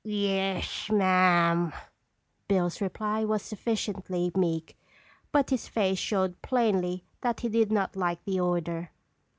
"Yes ma'am." Bill's reply was sufficiently meek but his face showed plainly that he did not like the order.